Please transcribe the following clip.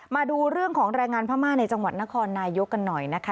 มาดูเรื่องของแรงงานพม่าในจังหวัดนครนายกกันหน่อยนะคะ